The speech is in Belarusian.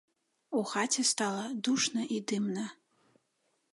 У хаце стала душна і дымна.